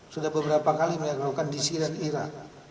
sudah beberapa kali mereka lakukan di syria dan iraq